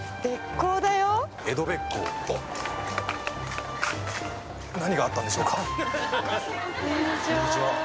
こんにちは